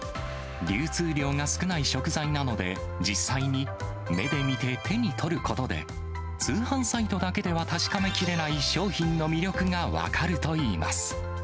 流通量が少ない食材なので、実際に目で見て手に取ることで、通販サイトだけでは確かめられない商品の魅力が分かるといいます。